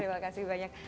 terima kasih banyak